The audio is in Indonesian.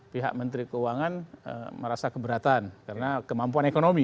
pihak menteri keuangan merasa keberatan karena kemampuan ekonomi